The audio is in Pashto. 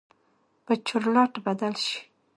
به چورلټ بدل شي.